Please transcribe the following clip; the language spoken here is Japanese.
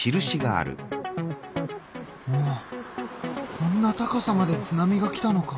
おっこんな高さまで津波が来たのか。